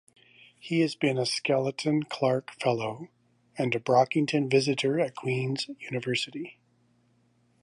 He has been a Skelton-Clark fellow and Brockington Visitor at Queen's University.